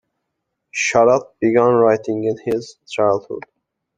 Sharad began writing in his childhood.